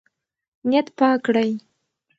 نیت پاک کړئ.